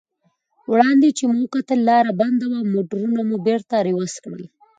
وړاندې چې مو وکتل لار بنده وه، موټرونه مو بېرته رېورس کړل.